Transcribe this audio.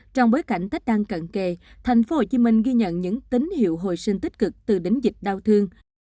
trong bối cảnh tết đang cận kề tp hcm ghi nhận những tín hiệu hồi sinh tích cực từ đến dịch đau thương